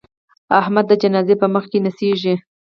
احمد د جنازې په مخ کې نڅېږي.